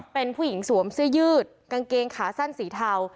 เป็นผู้หญิงสวมเสื้อยืดกางเกงขาสั้นสีเทา